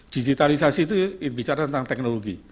digitalisasi itu bicara tentang teknologi